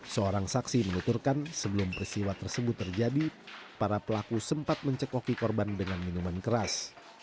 seorang saksi menuturkan sebelum peristiwa tersebut terjadi para pelaku sempat mencekoki korban dengan minuman keras